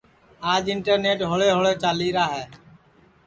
آج انٹرنیٹ ہوݪے ہوݪے چالیرا ہے